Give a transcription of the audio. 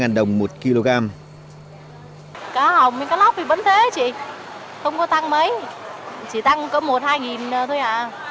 cá hồng với cá lóc thì vẫn thế chị không có tăng mấy chỉ tăng có một hai thôi ạ